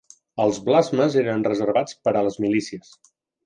Els blasmes eren reservats per a les milícies.